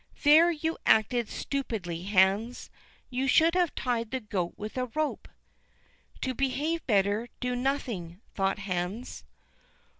"There you acted stupidly, Hans; you should have tied the goat with a rope." "To behave better, do nothing," thought Hans.